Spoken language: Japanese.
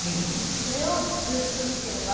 それをずっと見てれば。